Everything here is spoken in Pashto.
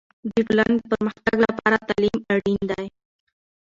د ټولنې د پرمختګ لپاره تعلیم اړین دی.